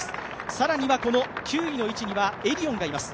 更には９位の位置にはエディオンがいます。